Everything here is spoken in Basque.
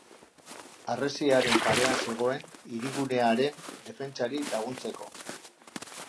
Harresiaren parean zegoen, hirigunearen defentsari laguntzeko.